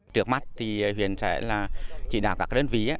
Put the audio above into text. trước mắt thì huyện sẽ chỉ đảo các đơn ví